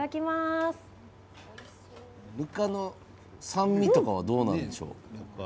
ぬかの酸味とかはどうなんでしょう？